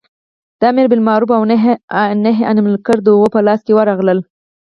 د امر بالمعروف او نهې عن المنکر د هغو په لاس ورغلل.